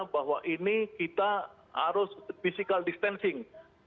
bahwa ini kita harus physical distancing